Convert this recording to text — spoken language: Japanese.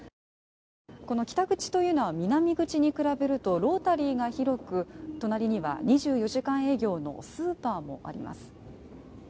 この北口というのは南口に比べるとロータリーが広く、隣には２４時間営業のスーパーもあります。